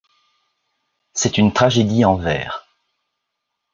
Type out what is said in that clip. C'est une tragédie en vers.